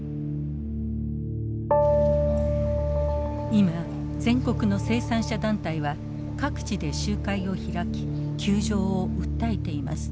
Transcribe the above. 今全国の生産者団体は各地で集会を開き窮状を訴えています。